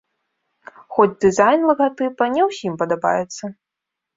Хоць дызайн лагатыпа не ўсім падабаецца.